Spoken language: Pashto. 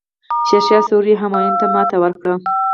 شیرشاه سوري همایون ته ماتې ورکړه.